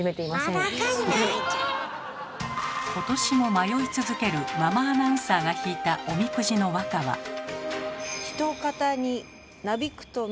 今年も迷い続けるママアナウンサーが引いたおみくじの和歌は。